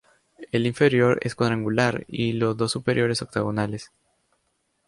El inferior es cuadrangular y los dos superiores octogonales.